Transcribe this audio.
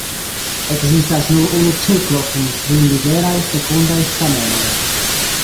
Ekzistas nur unu cirklo kun kvin liberaj, fekundaj stamenoj.